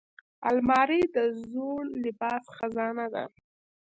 الماري د زوړ لباس خزانه ده